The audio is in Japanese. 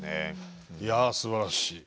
いやすばらしい。